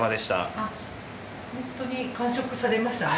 あっホントに完食されましたね。